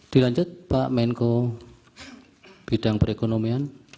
dilanjut pak menko bidang perekonomian